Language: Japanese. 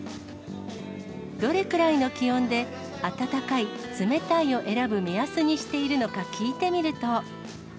どれくらいの気温で温かい、冷たいを選ぶ目安にしているのか聞いてみると。